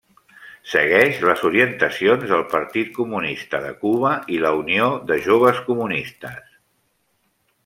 Segueix les orientacions del Partit Comunista de Cuba i la Unió de Joves Comunistes.